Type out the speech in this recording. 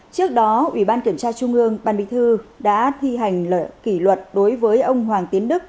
trước đó ủy ban kiểm tra trung ương ban bí thư đã thi hành kỷ luật đối với ông hoàng tiến đức